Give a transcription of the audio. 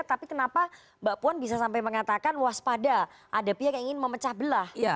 tapi kenapa mbak puan bisa sampai mengatakan waspada ada pihak yang ingin memecah belah